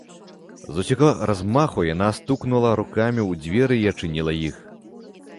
З усяго размаху яна стукнула рукамі ў дзверы і адчыніла іх.